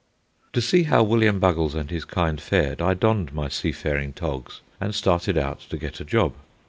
To see how William Buggles and his kind fared, I donned my seafaring togs and started out to get a job.